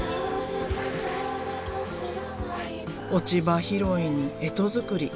落ち葉拾いに干支作り。